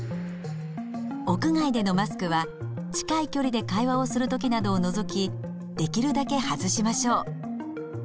屋外でのマスクは近い距離で会話をする時などを除きできるだけ外しましょう。